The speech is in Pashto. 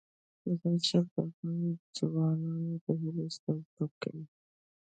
مزارشریف د افغان ځوانانو د هیلو استازیتوب کوي.